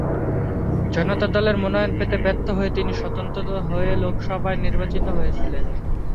জনতা দলের মনোনয়ন পেতে ব্যর্থ হয়ে তিনি স্বতন্ত্র হয়ে লোকসভায় নির্বাচিত হয়েছিলেন।